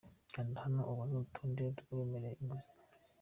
Kanda hano ubone urutonde rw’abemerewe inguzanyo.